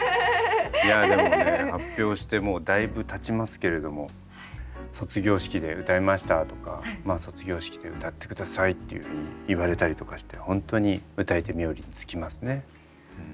いやでもね発表してもうだいぶたちますけれども「卒業式で歌いました」とか「卒業式で歌って下さい」っていうふうに言われたりとかしてホントに歌い手冥利に尽きますね。